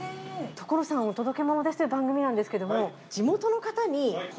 『所さんお届けモノです！』という番組なんですけども。